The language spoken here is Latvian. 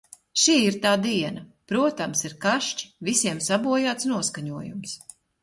Šī ir tā diena! Protams, ir kašķi, visiem sabojāts noskaņojums.